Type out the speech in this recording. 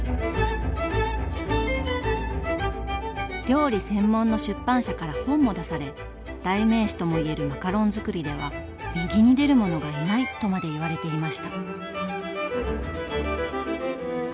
料理専門の出版社から本も出され代名詞とも言えるマカロンづくりでは「右に出る者がいない」とまで言われていました。